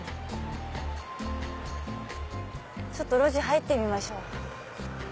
ちょっと路地入ってみましょう。